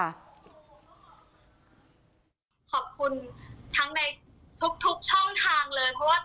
ขอบคุณทั้งในทุกช่องทางเลย